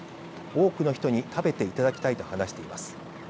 多くの人に食べていただきたいと話しています。